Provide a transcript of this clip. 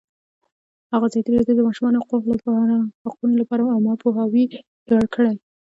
ازادي راډیو د د ماشومانو حقونه لپاره عامه پوهاوي لوړ کړی.